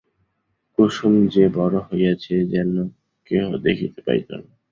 কুসুম যে বড়ো হইয়াছে এ যেন কেহ দেখিতে পাইত না।